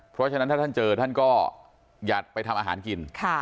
เพราะฉะนั้นถ้าท่านเจอท่านก็อย่าไปทำอาหารกิน